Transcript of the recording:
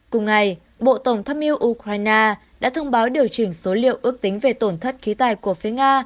cùng ngày bộ tổng tham mưu ukraine đã thông báo điều chỉnh số liệu ước tính về tổn thất khí tài của phía nga